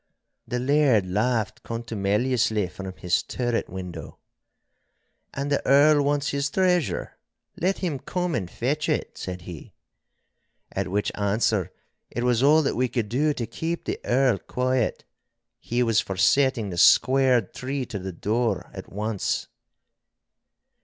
The Laird laughed contumeliously from his turret window. 'An' the Earl wants his treasure, let him come and fetch it,' said he. At which answer it was all that we could do to keep the Earl quiet. He was for setting the squared tree to the door at once.